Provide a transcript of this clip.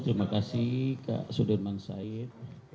terima kasih kak sudirman said